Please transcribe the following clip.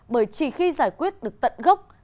bởi chỉ khi giải quyết được tận gốc